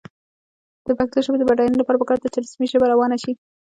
د پښتو ژبې د بډاینې لپاره پکار ده چې رسمي ژبه روانه شي.